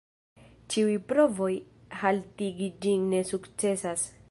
Ĉiuj provoj haltigi ĝin ne sukcesas.